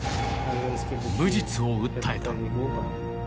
無実を訴えた。